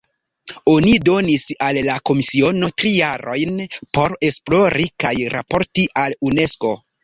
Oni donis al la komisiono tri jarojn por esplori kaj raporti al Unesko.